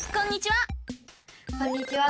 こんにちは！